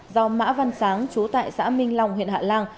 do mã văn sáng chú tại xã minh long huyện hạ lan